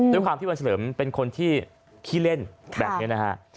ด้วยความที่วันเฉลิมเป็นคนที่ขี้เล่นแบบนี้นะฮะ